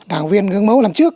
đảng viên ngưỡng mẫu làm trước